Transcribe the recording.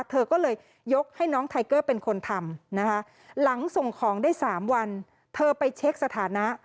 เธอก็เลยยกให้น้องไทเกอร์เป็นคนทำนะคะหลังส่งของได้๓วันเธอไปเช็คสถานะ